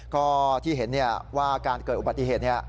ก็ที่เห็นเนี้ยว่าการเกิดอุบัติเหตุเนี้ย